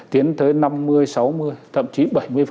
tiến tới năm mươi sáu mươi thậm chí